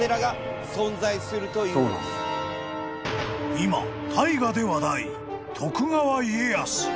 ［今大河で話題徳川家康］